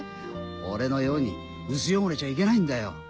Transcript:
俺のように薄汚れちゃいけないんだよ。